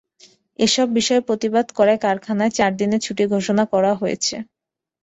এসব বিষয়ের প্রতিবাদ করায় কারখানায় চার দিনের ছুটি ঘোষণা করা হয়েছে।